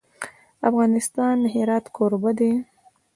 افغانستان د هرات کوربه دی.